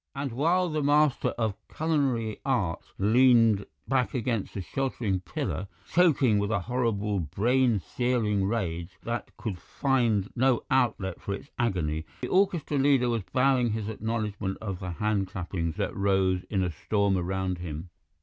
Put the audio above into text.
And while the master of culinary art leaned back against the sheltering pillar, choking with a horrible brain searing rage that could find no outlet for its agony, the orchestra leader was bowing his acknowledgments of the hand clappings that rose in a storm around him.